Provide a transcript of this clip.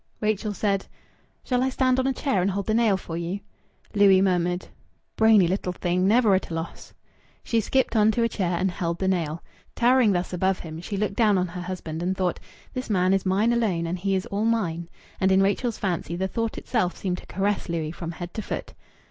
Rachel said "Shall I stand on a chair and hold the nail for you?" Louis murmured "Brainy little thing! Never at a loss!" She skipped on to a chair and held the nail. Towering thus above him, she looked down on her husband and thought: "This man is mine alone, and he is all mine." And in Rachel's fancy the thought itself seemed to caress Louis from head to foot.